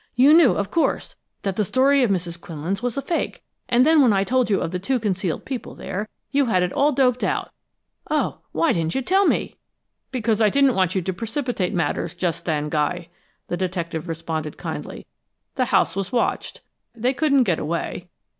You knew, of course, that that story of Mrs. Quinlan's was a fake, and then when I told you of the two concealed people there, you had it all doped out! Oh, why didn't you tell me?" "Because I didn't want you to precipitate matters just then, Guy," the detective responded, kindly. "The house was watched they couldn't get away."